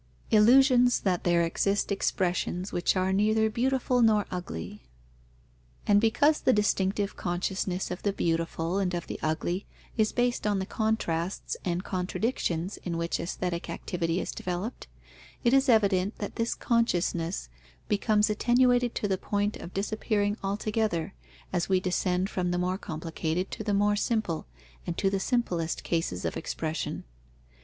Illusions that there exist expressions which are neither beautiful nor ugly. And because the distinctive consciousness of the beautiful and of the ugly is based on the contrasts and contradictions in which aesthetic activity is developed, it is evident that this consciousness becomes attenuated to the point of disappearing altogether, as we descend from the more complicated to the more simple and to the simplest cases of expression.